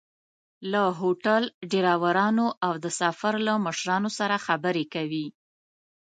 له هوټل، ډریورانو او د سفر له مشرانو سره خبرې کوي.